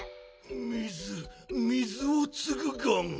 水水をつぐガン。